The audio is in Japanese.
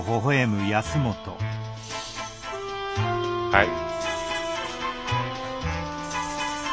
はい。